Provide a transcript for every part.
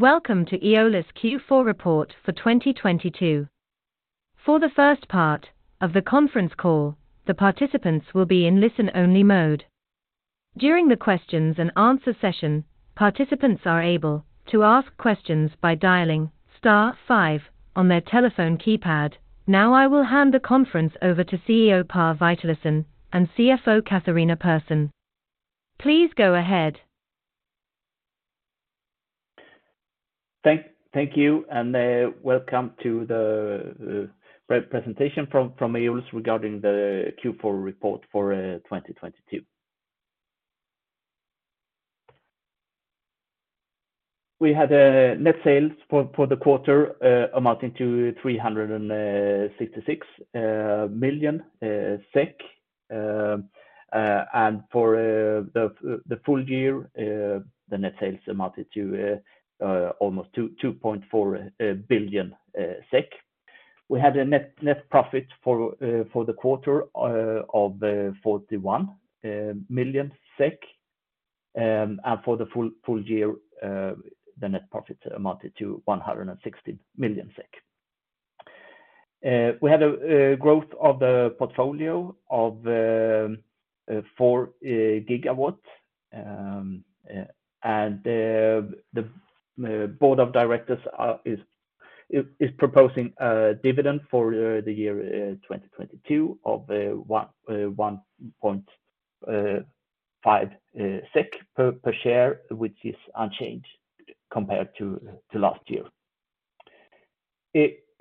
Welcome to Eolus' Q4 report 2022. For the first part of the conference call, the participants will be in listen-only mode. During the question-and-answer session, participants are able to ask questions by dialing star five on their telephone keypad. Now, I will hand the conference over to CEO Per Witalisson and CFO Catharina Persson. Please go ahead. Thank you and welcome to the pre-presentation from Eolus regarding the Q4 report 2022. We had net sales for the quarter amounting to 366 million SEK. For the full year, the net sales amounted to almost 2.4 billion SEK. We had a net profit for the quarter of 41 million SEK. For the full year, the net profit amounted to 160 million SEK. We had a growth of the portfolio of 4 GW. The Board of Directors is proposing a dividend for the year 2022 of 1.5 SEK per share, which is unchanged compared to last year.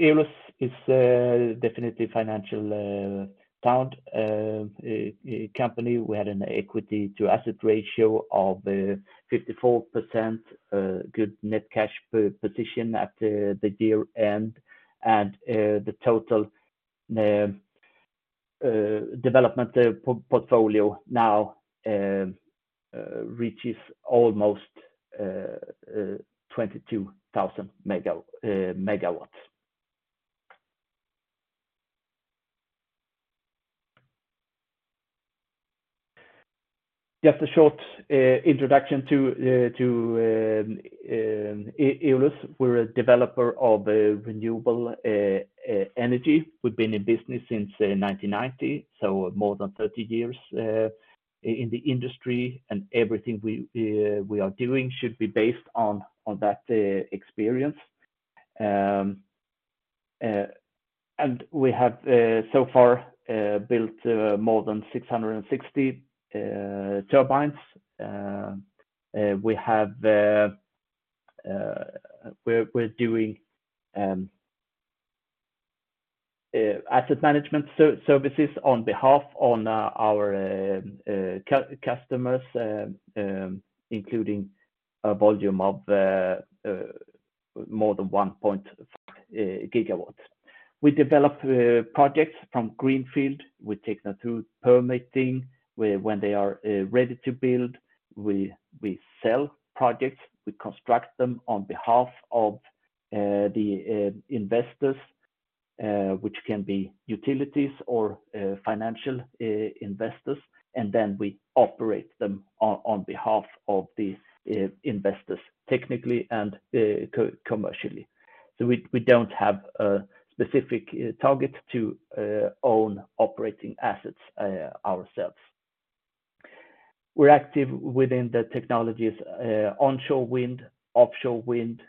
Eolus is definitely a financially sound company. We had an equity-to-asset ratio of 54%, good net cash per position at the year-end. The total development portfolio now reaches almost 22,000 MW. Just a short introduction to Eolus. We're a developer of renewable energy. We've been in business since 1990, so more than 30 years in the industry. Everything we are doing should be based on that experience. We have so far built more than 660 turbines. We're doing asset management services on behalf of our customers, including a volume of more than 1.5 GW. We develop projects from greenfield. We take them through permitting. When they are ready to build, we sell projects. We construct them on behalf of the investors, which can be utilities or financial investors. We operate them on behalf of these investors technically and commercially. We don't have a specific target to own operating assets ourselves. We're active within the technologies, onshore wind, offshore wind,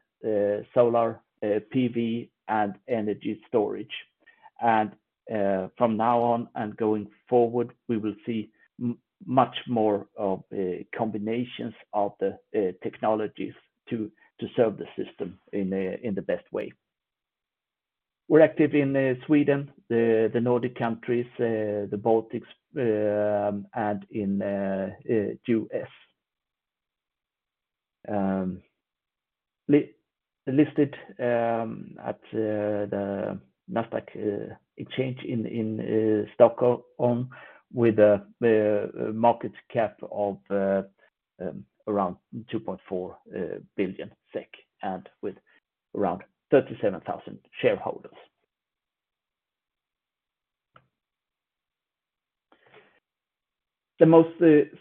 solar PV, and energy storage. From now on and going forward, we will see much more of combinations of technologies to serve the system in the best way. We're active in Sweden, the Nordic countries, the Baltics, and in the U.S. Listed at the Nasdaq exchange in Stockholm with a market cap of around 2.4 billion SEK and with around 37,000 shareholders. The most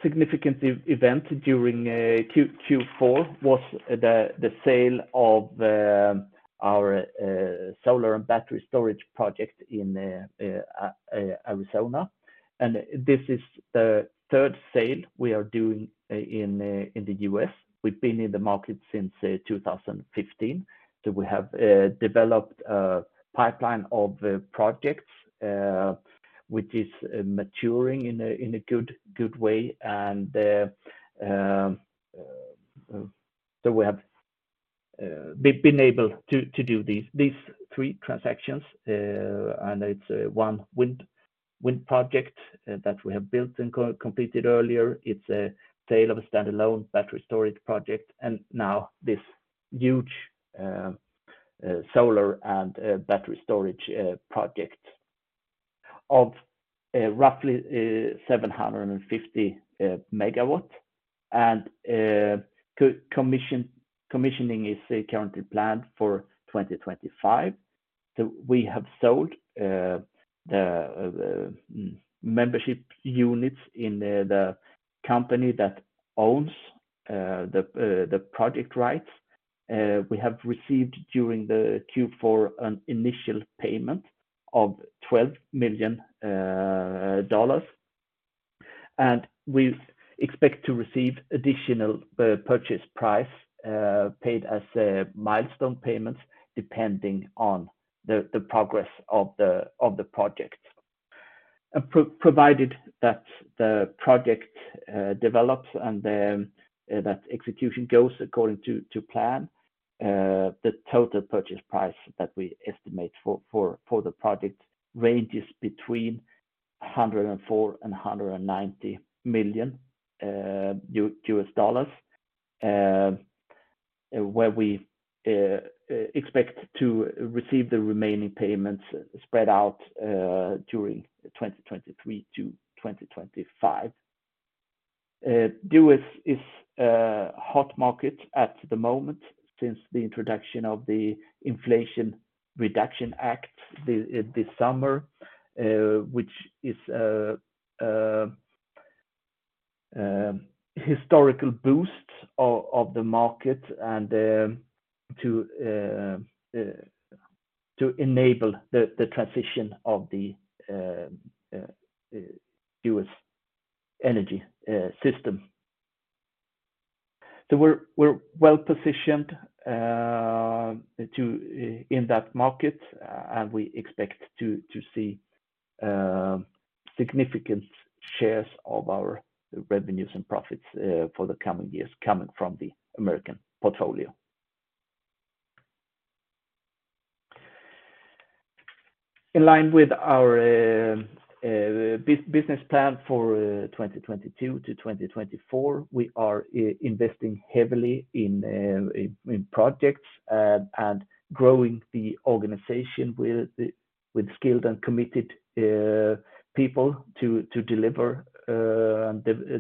significant event during Q4 was the sale of our solar and battery storage project in Arizona. This is the third sale we are doing in the U.S. We've been in the market since 2015. We have developed a pipeline of projects which is maturing in a good way. We have been able to do these three transactions. It's one wind project that we have built and completed earlier. It's a sale of a standalone battery storage project and now this huge solar and battery storage project of roughly 750 MW. Commissioning is currently planned for 2025. We have sold the membership units in the company that owns the project rights. We have received during the Q4 an initial payment of $12 million. We expect to receive additional purchase price paid as milestone payments, depending on the progress of the project. Provided that the project develops and that execution goes according to plan, the total purchase price that we estimate for the project ranges $104 million-$190 million. Where we expect to receive the remaining payments spread out during 2023-2025. U.S. is a hot market at the moment since the introduction of the Inflation Reduction Act this summer, which is a historical boost of the market and to enable the transition of the U.S. energy system. We're well-positioned in that market, and we expect to see significant shares of our revenues and profits for the coming years coming from the American portfolio. In line with our business plan for 2022-2024, we are investing heavily in projects and growing the organization with skilled and committed people to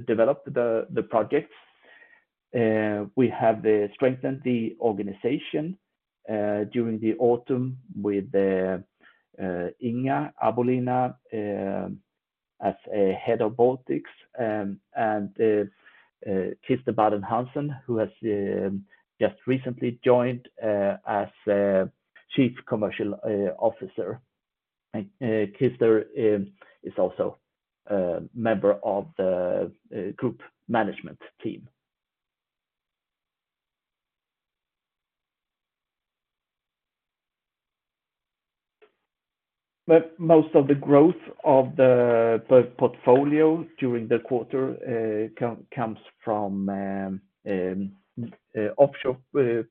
develop the projects. We have strengthened the organization during the autumn with Inga Abolina as Head of the Baltics, and Christer Baden Hansen, who has just recently joined as Chief Commercial Officer. Christer is also a member of the Group Management Team. Most of the growth of the portfolio during the quarter comes from offshore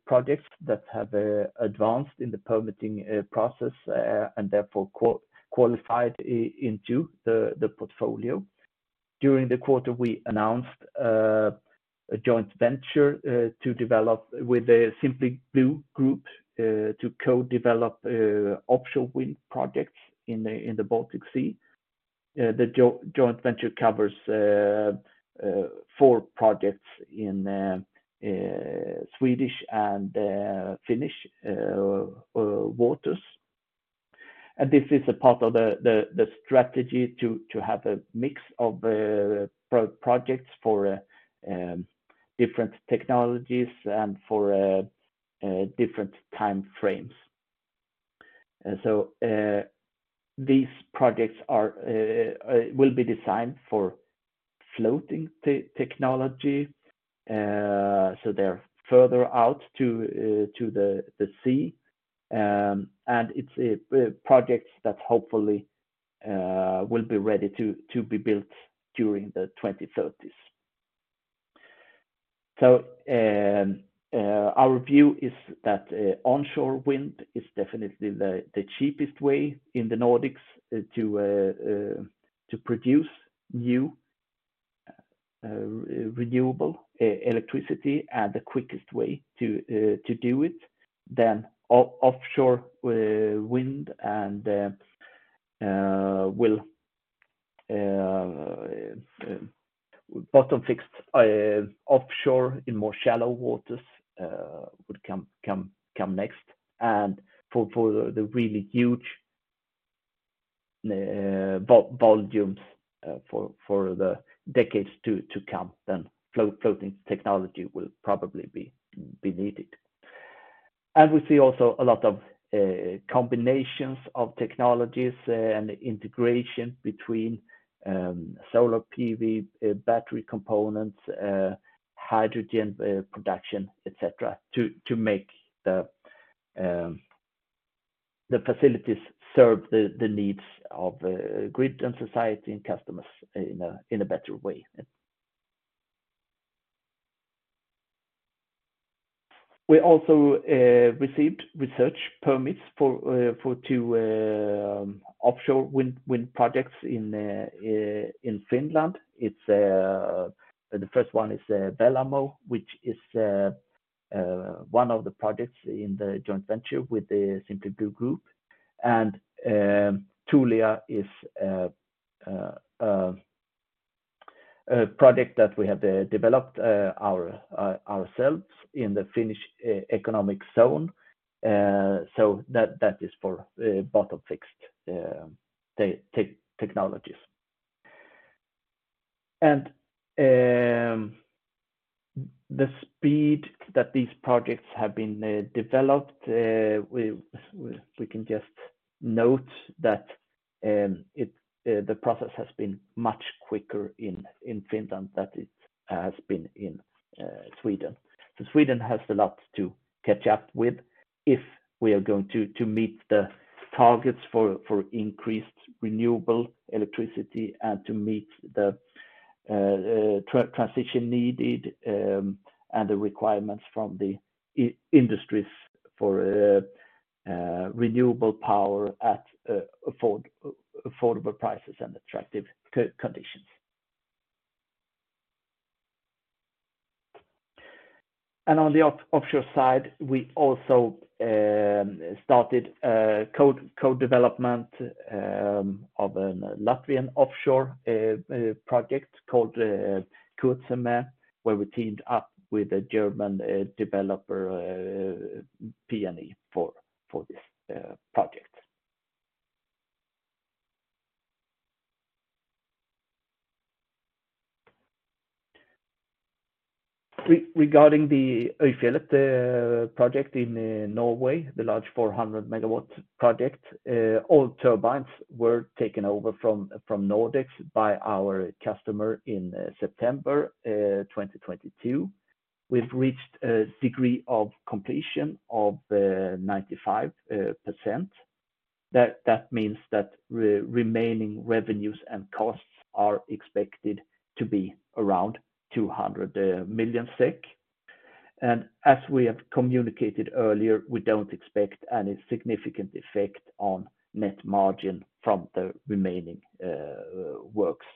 projects that have advanced in the permitting process and therefore qualified into the portfolio. During the quarter, we announced a joint venture to develop with the Simply Blue Group to co-develop offshore wind projects in the Baltic Sea. The joint venture covers four projects in Swedish and Finnish waters. This is a part of the strategy to have a mix of projects for different technologies and for different time frames. These projects are will be designed for floating technology, so they're further out to the sea. It's projects that hopefully will be ready to be built during the 2030s. Our view is that onshore wind is definitely the cheapest way in the Nordics to produce new renewable electricity and the quickest way to do it than offshore wind and will bottom-fixed offshore in more shallow waters would come next. For the really huge volumes for the decades to come, then floating technology will probably be needed. We see also a lot of combinations of technologies and integration between solar PV, battery components, hydrogen production, etc., to make the facilities serve the needs of grid and society and customers in a better way. We also received research permits for two offshore wind projects in Finland. It's the first one, Wellamo, which is one of the projects in the joint venture with the Simply Blue Group. Tuulia is a project that we have developed ourselves in the Finnish economic zone. So that is for bottom-fixed technology. The speed that these projects have been developed, we can just note that the process has been much quicker in Finland than it has been in Sweden. So Sweden has a lot to catch up with if we are going to meet the targets for increased renewable electricity and to meet the transition needed, and the requirements from the industries for renewable power at affordable prices and attractive conditions. On the offshore side, we also started a co-development of an Latvian offshore project called Kurzeme, where we teamed up with a German developer, PNE, for this project. Regarding the Øyfjellet project in Norway, the large 400 MW project, all turbines were taken over from Nordex by our customer in September 2022. We've reached a degree of completion of 95%. That means that remaining revenues and costs are expected to be around 200 million SEK. As we have communicated earlier, we don't expect any significant effect on net margin from the remaining works.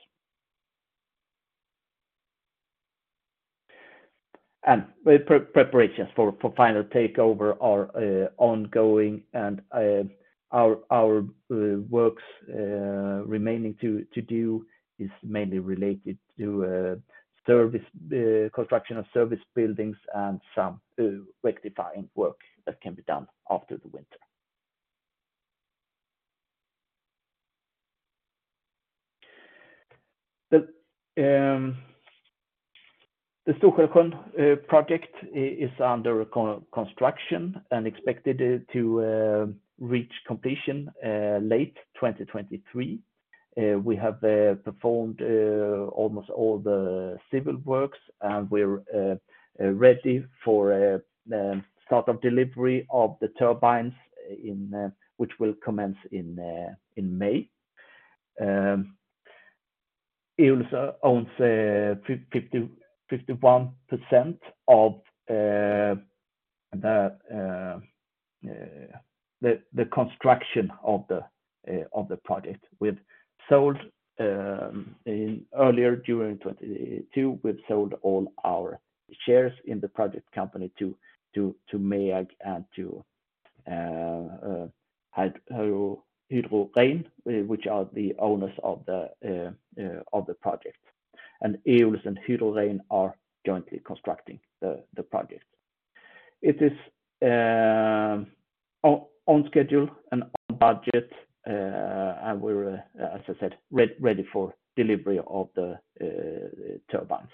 Preparations for final takeover are ongoing and our works remaining to do is mainly related to service, construction of service buildings and some rectifying work that can be done after the winter. The Stor-Skälsjön project is under construction and expected it to reach completion late 2023. We have performed almost all the civil works, and we're ready for start of delivery of the turbines in which will commence in May. Eolus owns 50%-51% of the construction of the project. We've sold in earlier during 2022, we've sold all our shares in the project company to MEAG and Hydro Rein, which are the owners of the project. Eolus and Hydro Rein are jointly constructing the project. It is on schedule and on budget, and we're as I said, ready for delivery of the turbines.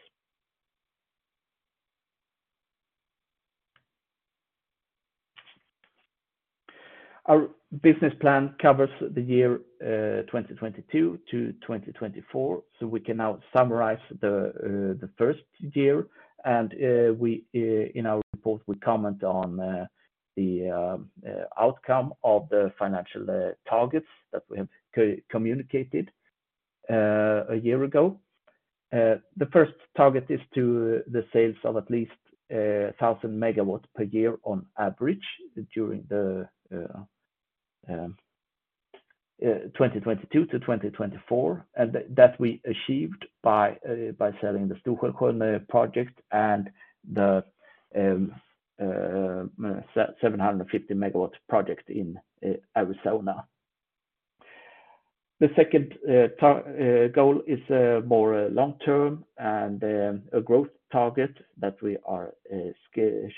Our business plan covers the year 2022 to 2024, we can now summarize the first year. We in our report, we comment on the outcome of the financial targets that we have communicated a year ago. The first target is to the sales of at least 1,000 MW per year on average during the 2022 to 2024. That we achieved by selling the Stor-Skälsjön project and the 750 MW project in Arizona. The second goal is more long-term and a growth target that we are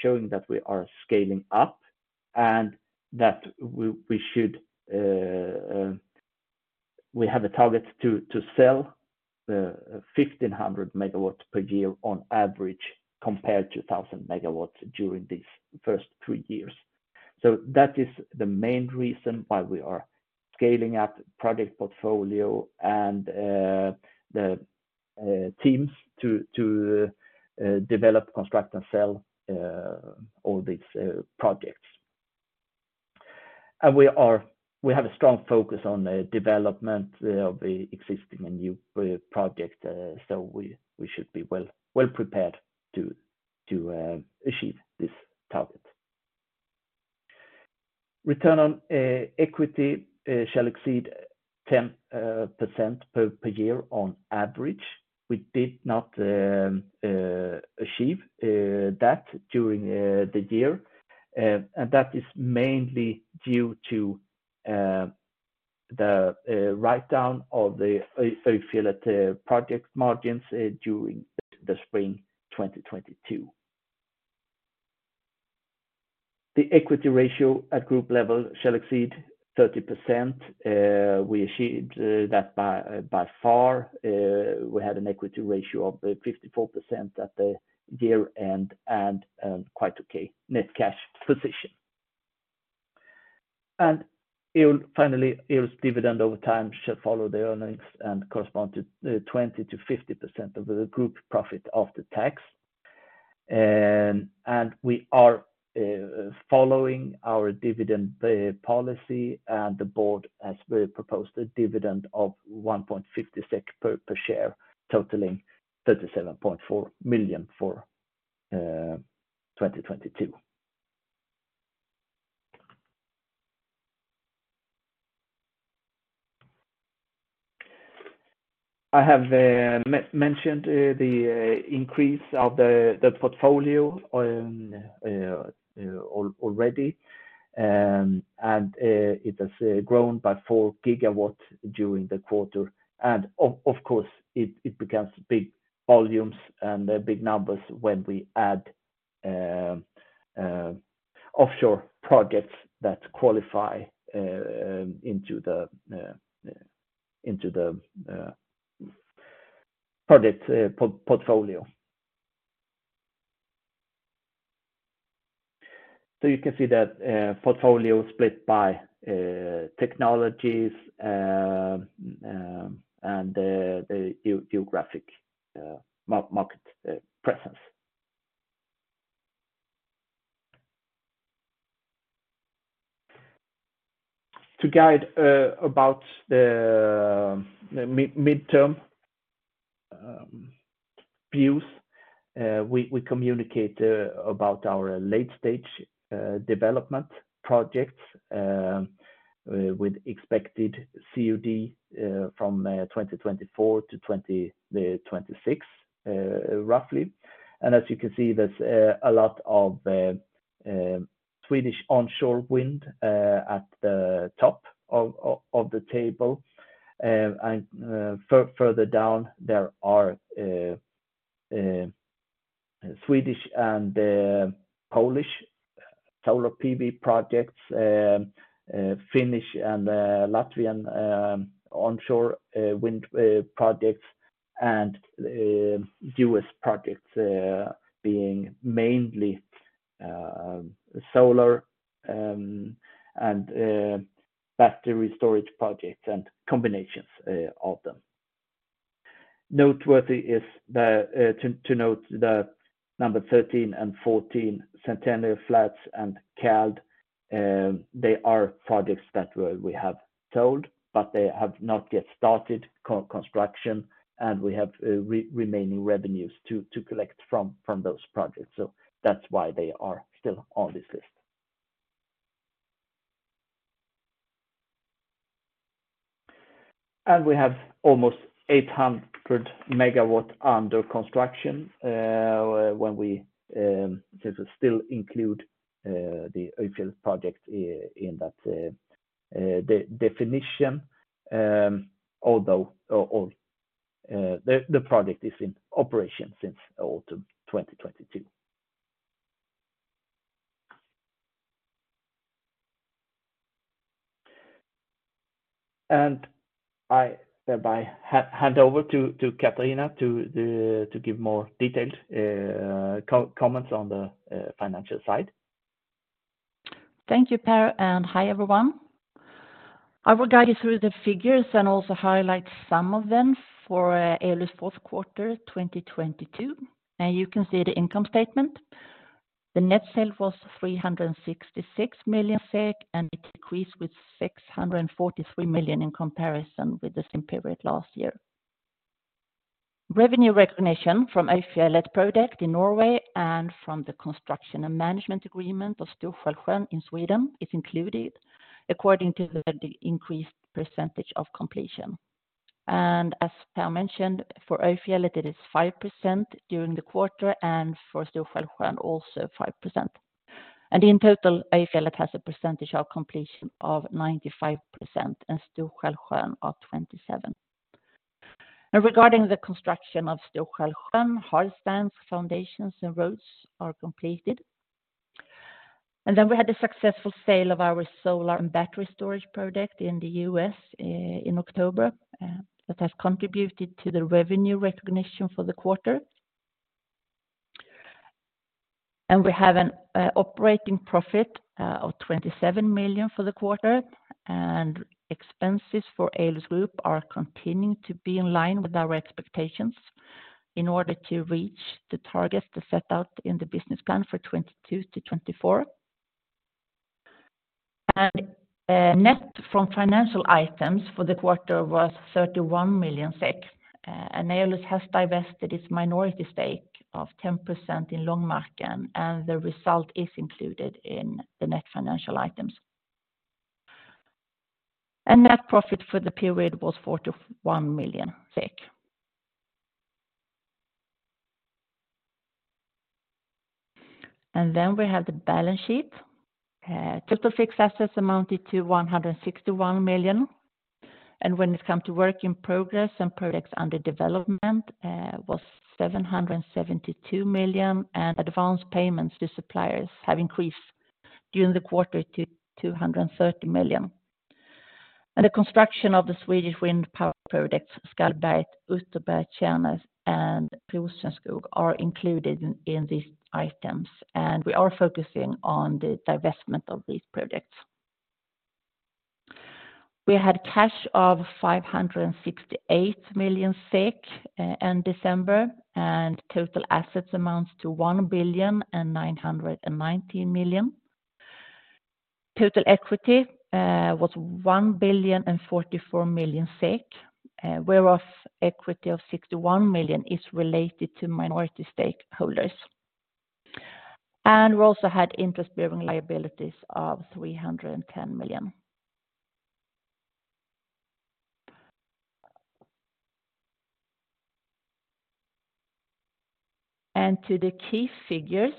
showing that we are scaling up and that we should. We have a target to sell 1,500 MW per year on average compared to 1,000 MW during these first three years. That is the main reason why we are scaling up project portfolio and the teams to develop, construct, and sell all these projects. We have a strong focus on the development of existing and new project, so we should be well-prepared to achieve this target. Return on equity shall exceed 10% per year on average. We did not achieve that during the year. And that is mainly due to the write-down of the Øyfjellet project margins during spring 2022. The equity ratio at Group level shall exceed 30%. We achieved that by far, we had an equity ratio of 54% at the year-end and quite okay net cash position. Finally, Eolus' dividend over time shall follow the earnings and correspond to 20%-50% of the Group profit after tax. We are following our dividend policy, and the Board has proposed a dividend of 1.50 SEK per share, totaling 37.4 million for 2022. I have mentioned the increase of the portfolio already, and it has grown by 4 GW during the quarter. Of course, it becomes big volumes and big numbers when we add offshore projects that qualify into the project portfolio. So you can see that portfolio split by technologies and the geographic market presence. To guide about the mid-term views, we communicate about our late-stage development projects with expected COD 2024-2026 roughly. As you can see, there's a lot of Swedish onshore wind at the top of the table. Further down, there are Swedish and Polish solar PV projects, Finnish and Latvian onshore wind projects, and U.S. projects being mainly solar and battery storage projects and combinations of them. Noteworthy is to note the number 13 and 14, Centennial Flats and Cald. They are projects that we have sold, but they have not yet started construction, and we have remaining revenues to collect from those projects. That's why they are still on this list. We have almost 800 MW under construction, since we still include the Øyfjellet project in that definition, although the project is in operation since autumn 2022. I thereby hand over to Catharina to give more detailed comments on the financial side. Thank you, Per. Hi, everyone. I will guide you through the figures and also highlight some of them for Eolus' fourth quarter 2022. Now you can see the income statement. The net sales was 366 million SEK. It decreased with 643 million in comparison with the same period last year. Revenue recognition from Øyfjellet project in Norway and from the construction and management agreement of Stor-Skälsjön in Sweden is included according to the increased percentage of completion. As Per mentioned, for Øyfjellet, it is 5% during the quarter, and for Stor-Skälsjön, also 5%. In total, Øyfjellet has a percentage of completion of 95% and Stor-Skälsjön of 27%. Now, regarding the construction of Stor-Skälsjön, hall stands, foundations, and roads are completed. We had the successful sale of our solar and battery storage project in the U.S. in October that has contributed to the revenue recognition for the quarter. We have an operating profit of 27 million for the quarter, and expenses for Eolus Group are continuing to be in line with our expectations in order to reach the targets set out in the business plan for 2022-2024. Net from financial items for the quarter was 31 million SEK. Eolus has divested its minority stake of 10% in Långmarken, and the result is included in the net financial items. Net profit for the period was 41 million SEK. We have the balance sheet. Total fixed assets amounted to 161 million. When it come to work in progress and projects under development, was 772 million, advanced payments to suppliers have increased during the quarter to 230 million. The construction of the Swedish wind power projects, Skallberget, Utterberget, Tjärnäs, and Rosenskog are included in these items, and we are focusing on the divestment of these projects. We had cash of 568 million SEK in December, and total assets amounts to 1,919 million. Total equity was 1,044 million SEK, whereof equity of 61 million is related to minority stakeholders. We also had interest-bearing liabilities of 310 million. To the key figures,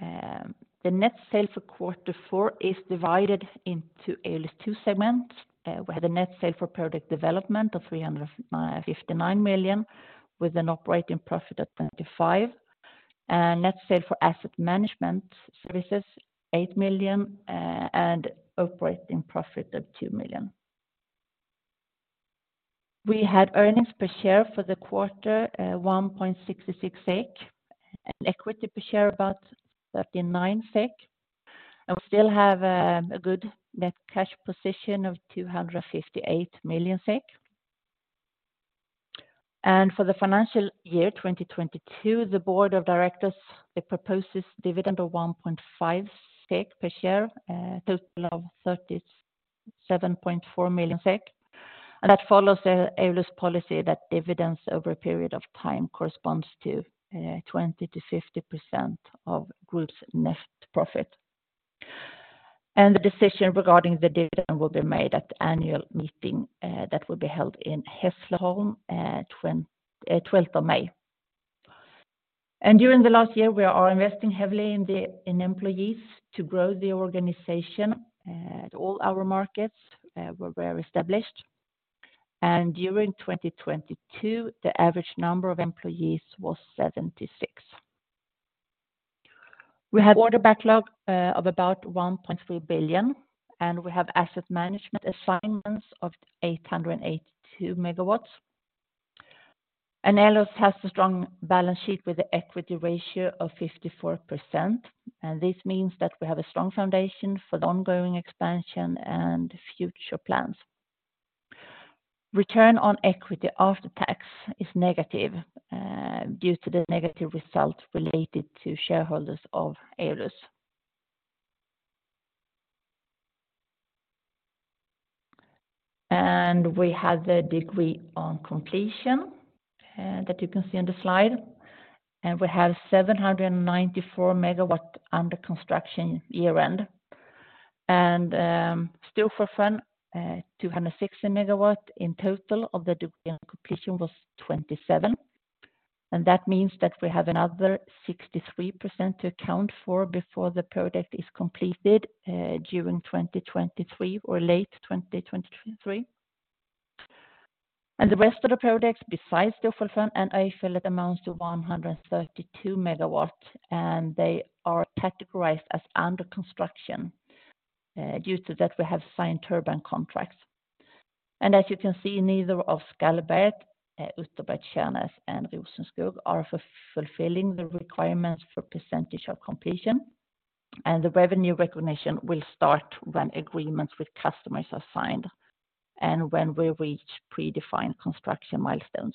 the net sale for quarter four is divided into Eolus' two segments. We had a net sales for product development of 359 million, with an operating profit of 35 million. Net sale for asset management services, 8 million, and operating profit of 2 million. We had earnings per share for the quarter, 1.66 SEK, and equity per share about 39 SEK. We still have a good net cash position of 258 million SEK. For the financial year 2022, the Board of Directors, it proposes dividend of 1.5 SEK per share, total of 37.4 million SEK. That follows the Eolus policy that dividends over a period of time corresponds to 20%-50% of Group's net profit. The decision regarding the dividend will be made at the annual meeting that will be held in Hässleholm at May 12th. During the last year, we are investing heavily in employees to grow the organization at all our markets where we're established. During 2022, the average number of employees was 76. We have order backlog of about 1.3 billion, and we have asset management assignments of 882 MW. Eolus has a strong balance sheet with the equity ratio of 54%. This means that we have a strong foundation for the ongoing expansion and future plans. Return on equity after tax is negative due to the negative result related to shareholders of Eolus. We have the degree on completion that you can see on the slide. We have 794 MW under construction year-end. Stor-Skälsjön, 260 MW in total of the degree on completion was 27%. That means that we have another 63% to account for before the project is completed during 2023 or late 2023. The rest of the projects besides Stor-Skälsjön and Önusberget amounts to 132MW, and they are categorized as under construction due to that we have signed turbine contracts. As you can see, neither Skallberget, Utterberget, Tjärnäs, nor Rosenskog are fulfilling the requirements for percentage of completion. The revenue recognition will start when agreements with customers are signed and when we reach predefined construction milestones.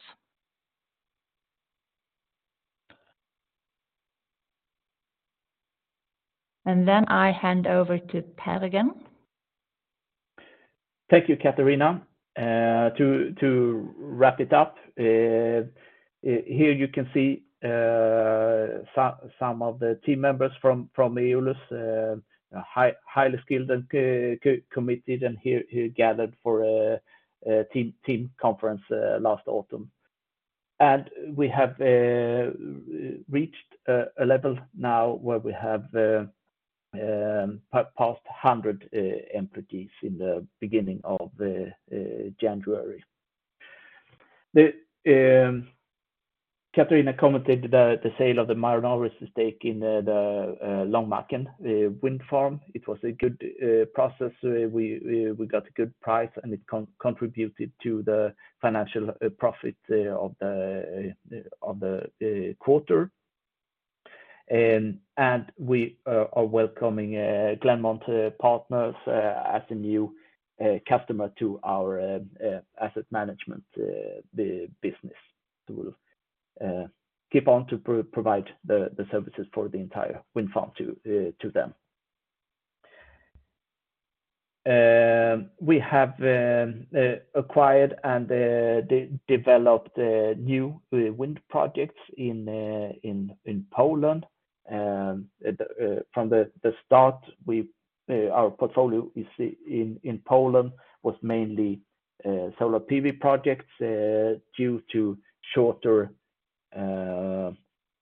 I hand over to Per again. Thank you, Catarina. To wrap it up, here you can see some of the team members from Eolus, highly skilled and committed, gathered for a team conference last autumn. We have reached a level now where we have passed 100 employees in the beginning of January. Catarina commented the sale of the minority stake in the Långmarken wind farm. It was a good process. We got a good price, and it contributed to the financial profit of the quarter. We are welcoming Glenmont Partners as a new customer to our asset management business. We'll keep on to provide the services for the entire wind farm to them. We have acquired and developed new wind projects in Poland. From the start, our portfolio in Poland was mainly solar PV projects due to shorter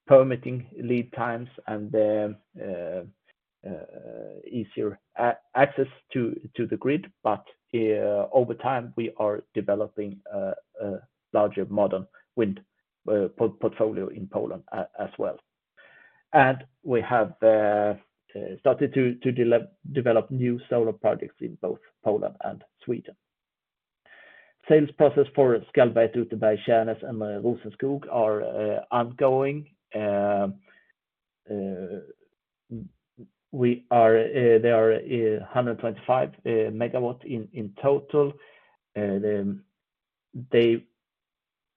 permitting lead times and easier access to the grid. Over time, we are developing a larger modern wind portfolio in Poland as well. We have started to develop new solar projects in both Poland and Sweden. Sales process for Skallberget, Utterberget, Tjärnäs and Rosenskog are ongoing. They are 125 MW in total.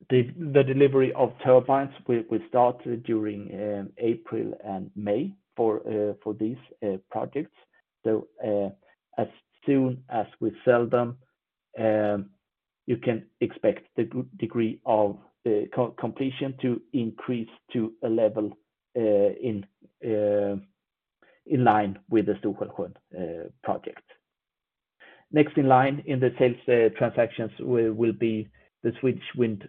The delivery of turbines will start during April and May for these projects. As soon as we sell them, you can expect the degree of completion to increase to a level in line with the Stor-Skälsjön project. Next in line in the sales transactions will be the Swedish wind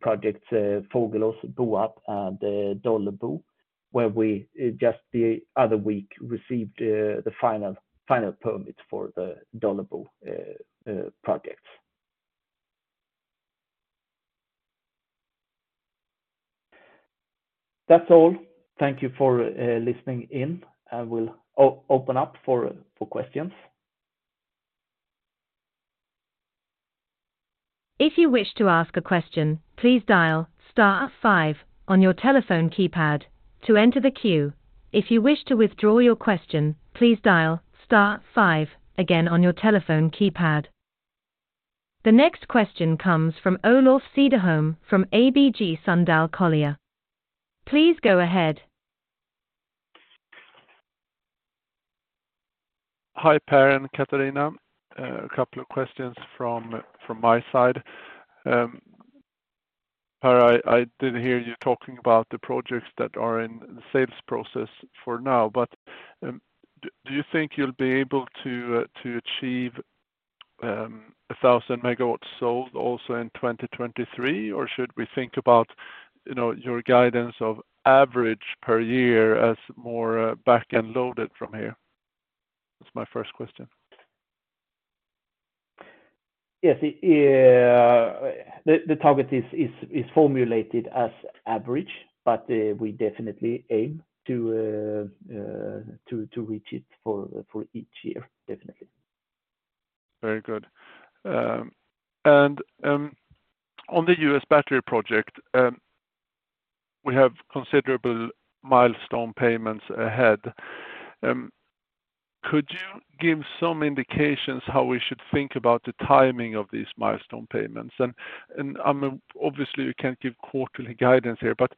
projects Fågelås, Boarp and Dållebo, where we, just the other week, received the final permit for the Dållebo project. That's all. Thank you for listening in, and we'll open up for questions. If you wish to ask a question, please dial star five on your telephone keypad to enter the queue. If you wish to withdraw your question, please dial star five again on your telephone keypad. The next question comes from Olof Cederholm from ABG Sundal Collier. Please go ahead. Hi, Per and Catharina. A couple of questions from my side. Per, I did hear you talking about the projects that are in the sales process for now. Do you think you'll be able to achieve 1,000 MW sold also in 2023, or should we think about, you know, your guidance of average per year as more back-end loaded from here? That's my first question. Yes. The target is formulated as average, but we definitely aim to reach it for each year, definitely. Very good. On the U.S. battery project, we have considerable milestone payments ahead. Could you give some indications how we should think about the timing of these milestone payments? And I mean, obviously, you can't give quarterly guidance here, but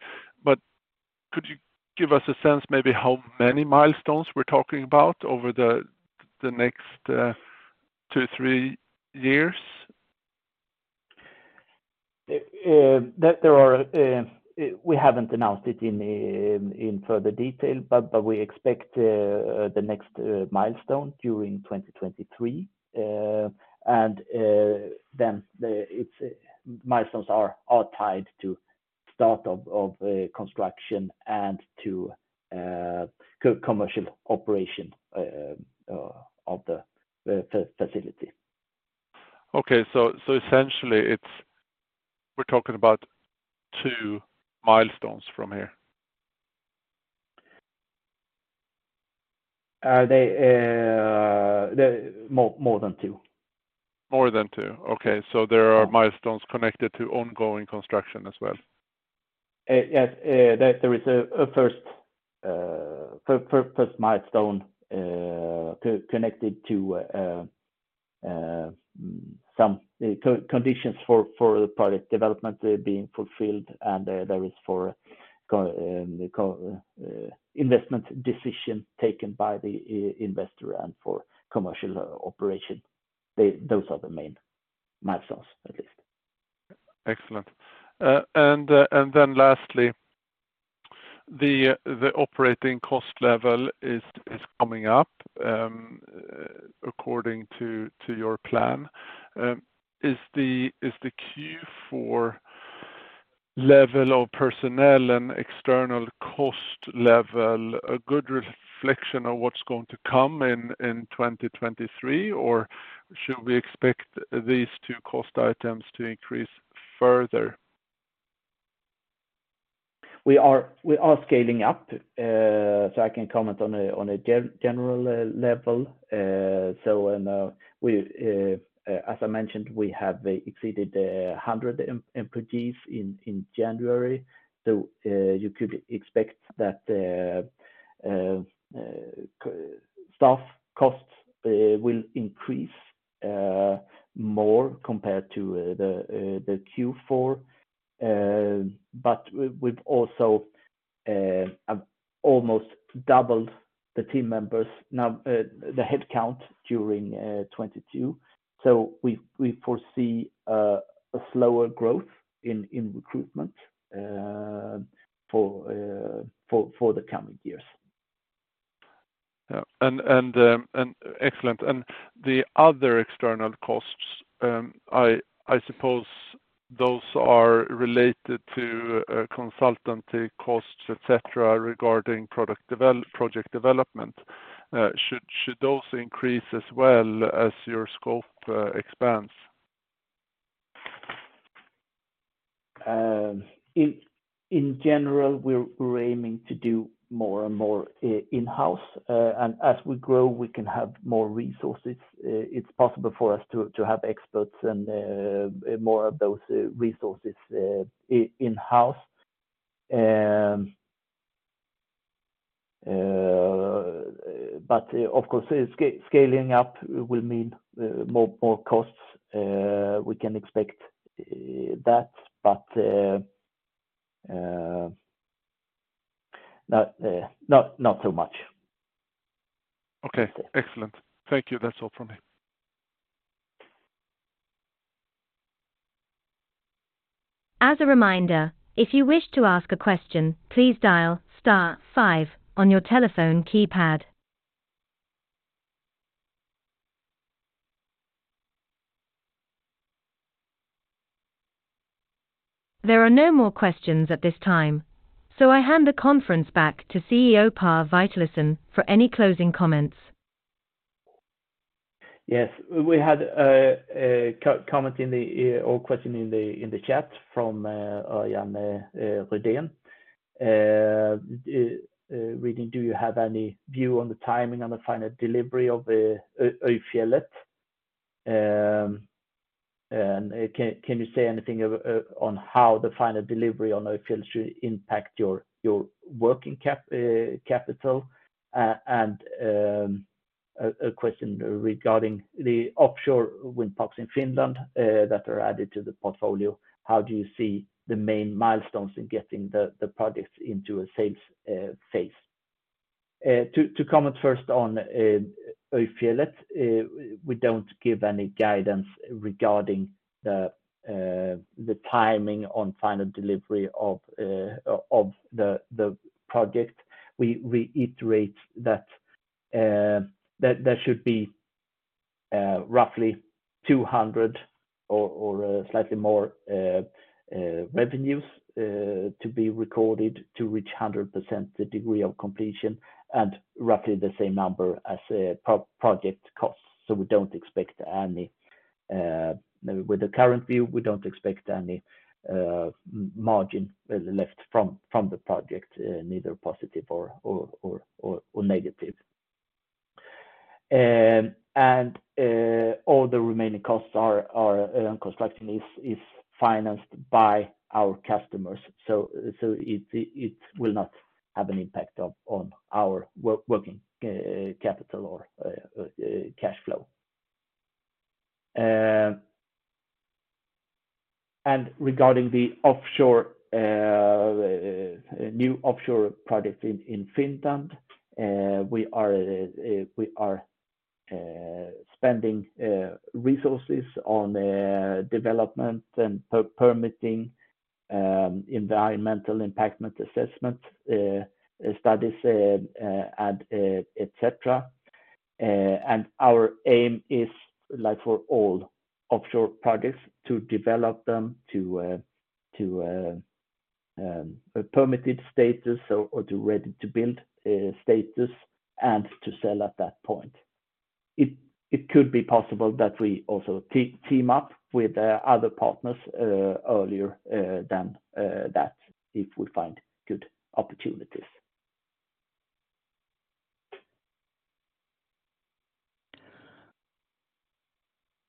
could you give us a sense maybe how many milestones we're talking about over the next two to three years? We haven't announced it in further detail, but we expect the next milestone during 2023. Milestones are tied to start of construction and to commercial operation of the facility. Okay. Essentially, we're talking about two milestones from here. They're more than two. More than two. Okay. There are milestones connected to ongoing construction as well? Yes. There is a first milestone connected to some conditions for the product development being fulfilled, and there is for investment decision taken by the investor and for commercial operation. Those are the main milestones at least. Excellent. Then lastly, the operating cost level is coming up according to your plan. Is the Q4 level of personnel and external cost level a good reflection of what's going to come in 2023, or should we expect these two cost items to increase further? We are scaling up, so I can comment on a general level. When we, as I mentioned, we have exceeded 100 employees in January. You could expect that the staff costs will increase more compared to the Q4. We've also have almost doubled the team members now, the headcount during 2022. We foresee a slower growth in recruitment for the coming years. Yeah. Excellent. The other external costs, I suppose those are related to consultancy costs, etc, regarding project development. Should those increase as well as your scope expands? In general, we're aiming to do more and more in-house. As we grow, we can have more resources. It's possible for us to have experts and more of those resources in-house. Of course, scaling up will mean more costs. We can expect that, but not so much. Okay. Excellent. Thank you. That's all from me. As a reminder, if you wish to ask a question, please dial star five on your telephone keypad. There are no more questions at this time. I hand the conference back to CEO Per Witalisson for any closing comments. Yes. We had a comment in the chat from Jan Rydén. Reading, do you have any view on the timing on the final delivery of the Øyfjellet? Can you say anything on how the final delivery on Øyfjellet should impact your working capital? A question regarding the offshore wind parks in Finland that are added to the portfolio. How do you see the main milestones in getting the projects into a sales phase? To comment first on Øyfjellet, we don't give any guidance regarding the timing on final delivery of the project. We reiterate that there should be roughly 200 million or slightly more revenues to be recorded to reach 100% degree of completion and roughly the same number as project costs. We don't expect any with the current view, we don't expect any margin left from the project, neither positive or negative. All the remaining costs are and construction is financed by our customers. It will not have an impact on our working capital or cash flow. Regarding the offshore new offshore project in Finland, we are spending resources on development and permitting, environmental impact assessment studies, and etc. Our aim is like for all offshore projects to develop them to a permitted status or to ready-to-build status and to sell at that point. It could be possible that we also team up with other partners earlier than that if we find good opportunities.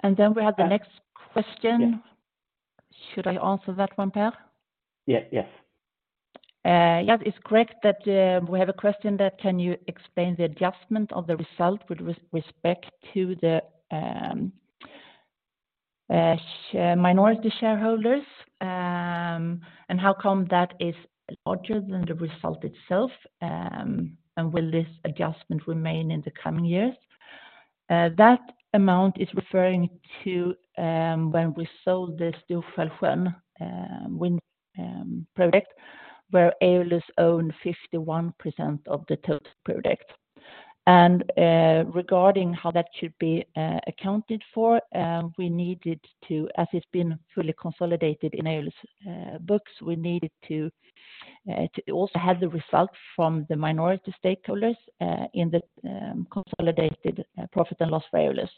We have the next question. Yeah. Should I answer that one, Per? Yeah. Yes. Yeah, it's correct that we have a question that can you explain the adjustment of the result with respect to the minority shareholders, and how come that is larger than the result itself? Will this adjustment remain in the coming years? That amount is referring to when we sold the Stor-Skälsjön wind project, where Eolus owns 51% of the total project. Regarding how that should be accounted for, we needed to, as it's been fully consolidated in Eolus' books, we needed to also have the results from the minority stakeholders in the consolidated profit and loss for Eolus.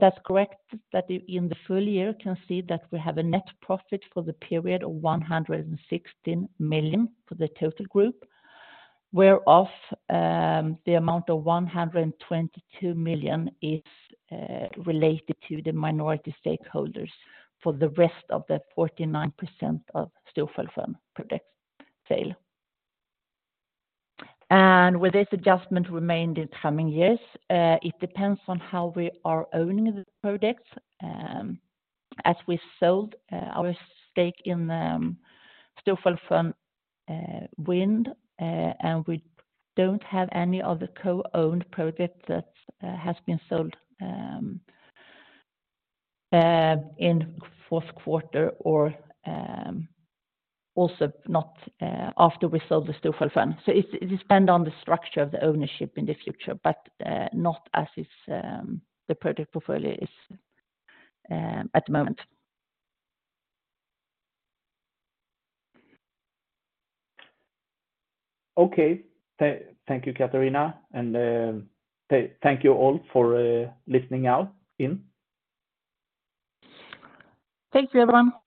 That's correct that in the full year can see that we have a net profit for the period of 116 million for the total group, where of, the amount of 122 million is related to the minority stakeholders for the rest of the 49% of Stor-Skälsjön project sale. Will this adjustment remain the coming years? It depends on how we are owning the projects, as we sold our stake in Stor-Skälsjön wind, and we don't have any other co-owned projects that has been sold in fourth quarter or also not after we sold the Stor-Skälsjön. It depend on the structure of the ownership in the future, but not as is the project portfolio is at the moment. Okay. Thank you, Catarina. Thank you all for listening out in. Thank you, everyone.